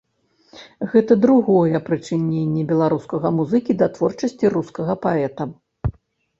Гэта другое прычыненне беларускага музыкі да творчасці рускага паэта.